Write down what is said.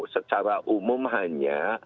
secara umum hanya